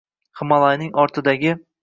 Himolayning ortidagi